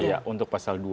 iya untuk pasal dua